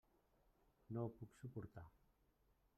No ho puc suportar.